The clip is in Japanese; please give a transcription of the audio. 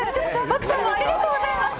ありがとうございます。